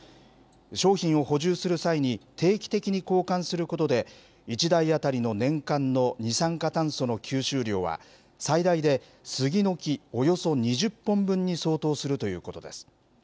商品を補充する際に、定期的に交換することで、１台当たりの年間の二酸化炭素の吸収量は、最大でスギの木およそ２０本分に相当するということです。